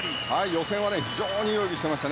予選は非常にいい泳ぎをしていました。